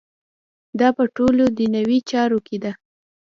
دا په ټولو دنیوي چارو کې ده.